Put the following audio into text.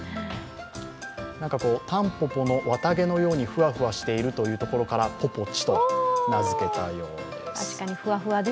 なんか、タンポポの綿毛のようにふわふわしているというところからぽぽちと名づけたようです。